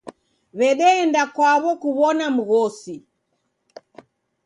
W'edeenda kwaw'o kuw'ona mghosi.